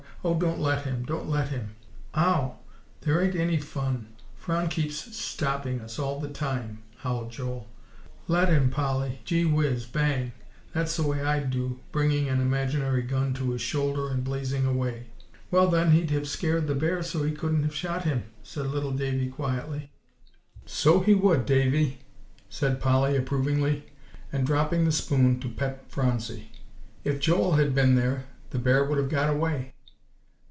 "Oh, don't let him; don't let him!" "Ow! there ain't any fun. Phron keeps stopping us all the time," howled Joel. "Let him, Polly. Gee whiz bang! that's the way I'd do," bringing an imaginary gun to his shoulder and blazing away. "Well, then he'd have scared the bear so he couldn't have shot him," said little Davie quietly. "So he would, Davie," said Polly approvingly, and dropping the spoon to pet Phronsie; "if Joel had been there, the bear would have got away."